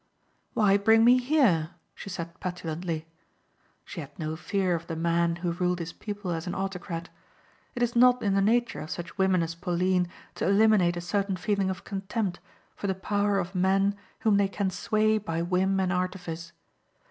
"Why bring me here?" she said petulantly. She had no fear of the man who ruled his people as an autocrat. It is not in the nature of such women as Pauline to eliminate a certain feeling of contempt for the power of men whom they can sway by whim and artifice.